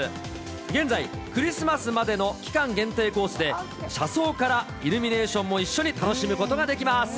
現在、クリスマスまでの期間限定コースで、車窓からイルミネーションも一緒に楽しむことができます。